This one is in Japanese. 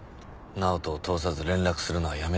直人を通さず連絡するのはやめてください。